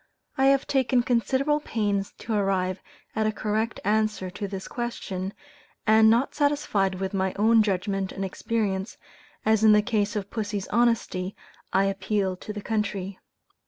I have taken considerable pains to arrive at a correct answer to this question, and not satisfied with my own judgment and experience, as in the case of pussy's honesty, I "appealed to the country."